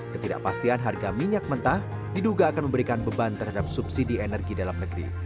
ketidakpastian harga minyak mentah diduga akan memberikan beban terhadap subsidi energi dalam negeri